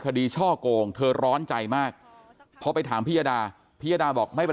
คดีช่อกงเธอร้อนใจมากเพราะไปถามพิยาดาพิยาดาบอกไม่เป็น